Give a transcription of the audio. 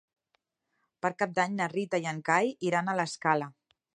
Per Cap d'Any na Rita i en Cai iran a l'Escala.